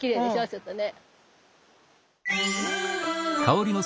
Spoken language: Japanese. ちょっとね。